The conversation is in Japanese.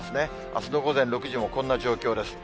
あすの午前６時もこんな状況です。